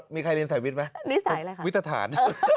มีใครลินสายวิทย์ไหมวิทย์สายอะไรค่ะวิทย์ฐาน